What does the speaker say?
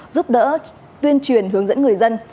giúp đỡ tuyên truyền hướng dẫn người dân